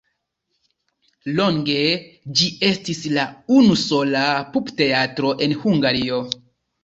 Longe ĝi estis la unusola pupteatro en Hungario.